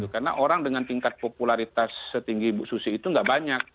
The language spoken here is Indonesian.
karena orang dengan tingkat popularitas setinggi ibu susi itu tidak banyak